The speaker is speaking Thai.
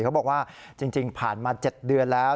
เขาบอกว่าจริงผ่านมา๗เดือนแล้ว